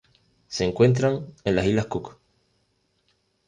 Se encuentran en las Islas Cook.